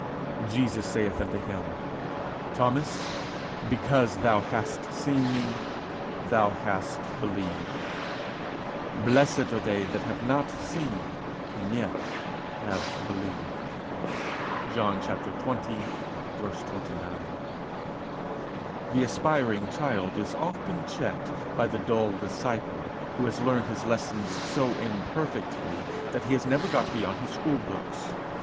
_Jesus saith unto him, Thomas, because thou hast seen me, thou hast believed: blessed are they that have not seen, and yet have believed._ JOHN xx. 29. The aspiring child is often checked by the dull disciple who has learned his lessons so imperfectly that he has never got beyond his school books.